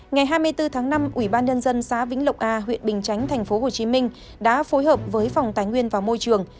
ngày hai mươi bốn tháng năm ủy ban nhân dân xã vĩnh lộc a huyện bình chánh tp hcm đã phối hợp với phòng tài nguyên và môi trường